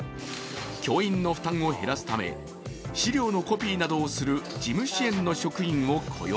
教員の負担を減らすため、資料のコピーなどをする事務支援の職員を雇用。